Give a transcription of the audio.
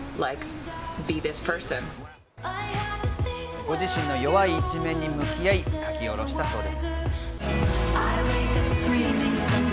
ご自身の弱い一面に向き合い、書き下ろしたそうです。